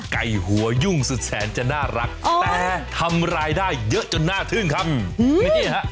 ไก่หัวยุ่งสุดแสนจะน่ารักแต่ทำรายได้เยอะจนน่าทึ่งครับนี่ฮะ